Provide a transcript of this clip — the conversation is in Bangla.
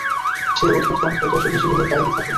সেই অদ্ভুত গন্ধ যা শুধু শিশুদের গায়েই থাকে।